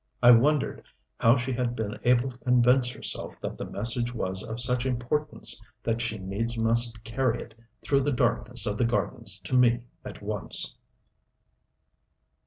I wondered how she had been able to convince herself that the message was of such importance that she needs must carry it through the darkness of the gardens to me at once.